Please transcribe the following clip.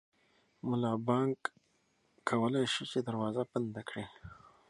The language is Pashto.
ملا بانګ کولی شي چې دروازه بنده کړي.